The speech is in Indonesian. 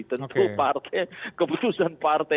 tentu partai keputusan partai